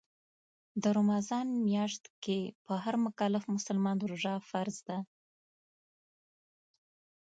د رمضان میاشت کې په هر مکلف مسلمان روژه فرض ده